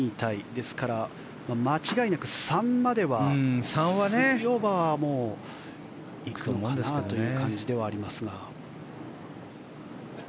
ですから、間違いなく３までは３オーバーは行くかなという感じではありますが。